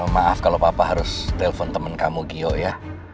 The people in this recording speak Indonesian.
maaf kalau papa harus telfon temen kamu gio ya